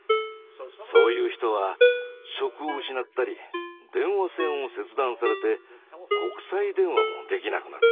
そういう人は職を失ったり電話線を切断されて国際電話もできなくなった。